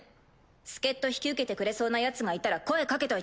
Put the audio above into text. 助っ人引き受けてくれそうなヤツがいたら声掛けといて。